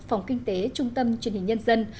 phòng kinh tế trung tâm truyền hình nhân dân